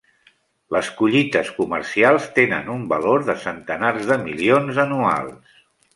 Les collites comercials tenen un valor de centenars de milions anuals.